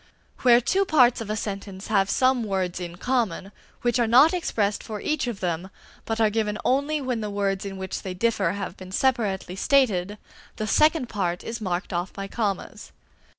Where two parts of a sentence have some words in common, which are not expressed for each of them, but are given only when the words in which they differ have been separately stated, the second part is marked off by commas.